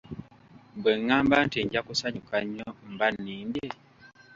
Bwe ngamba nti nja kusanyuka nnyo mba nnimbye?